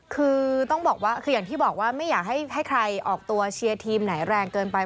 คือต้องบอกว่าคืออย่างที่บอกว่าไม่อยากให้ใครออกตัวเชียร์ทีมไหนแรงเกินไป